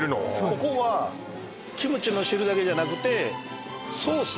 ここはキムチの汁だけじゃなくてソース